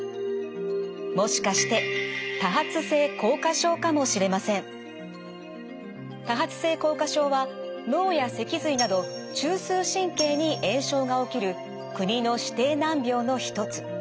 もしかして多発性硬化症は脳や脊髄など中枢神経に炎症が起きる国の指定難病の一つ。